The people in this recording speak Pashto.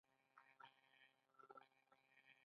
ځکه ټول خلک د شوګر ،